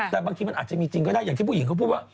แต่บางทีมันอาจจะมีจริงก็ได้อย่างที่ผู้หญิงเขาพูดว่า